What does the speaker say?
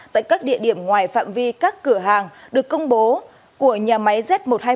tại các địa điểm ngoài phạm vi các cửa hàng được công bố của nhà máy z một trăm hai mươi một